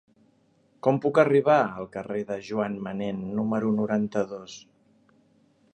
Com puc arribar al carrer de Joan Manén número noranta-dos?